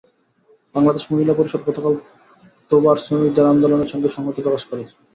বাংলাদেশ মহিলা পরিষদ গতকাল তোবার শ্রমিকদের আন্দোলনের সঙ্গে সংহতি প্রকাশ করেছে।